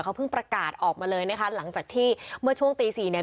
เขาเพิ่งประกาศออกมาเลยนะคะหลังจากที่เมื่อช่วงตีสี่เนี่ย